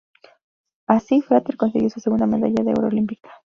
Así Frater consiguió su segunda medalla de oro olímpica.